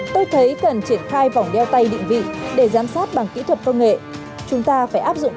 tôi thấy cần triển khai vòng đeo tay định vị để giám sát bằng kỹ thuật công nghệ chúng ta phải áp dụng